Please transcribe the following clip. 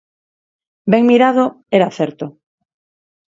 Ben mirado, era certo.